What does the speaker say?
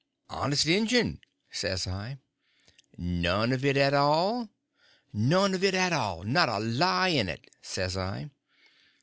"Honest injun," says I. "None of it at all?" "None of it at all. Not a lie in it," says I.